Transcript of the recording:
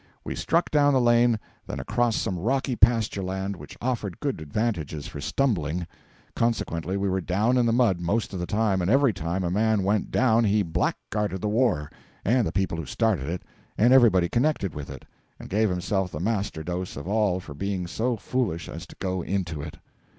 We struck down the lane, then across some rocky pasture land which offered good advantages for stumbling; consequently we were down in the mud most of the time, and every time a man went down he blackguarded the war, and the people who started it, and everybody connected with it, and gave himself the master dose of all for being so foolish as to go into it.